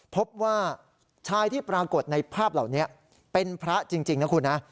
พบว่าชายที่ปรากฏในภาพเหล่านี้เป็นพระจริงนะคุณนะ